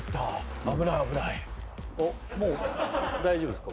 もう大丈夫ですか？